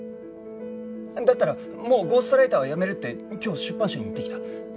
だったらもうゴーストライターはやめるって今日出版社に言ってきた。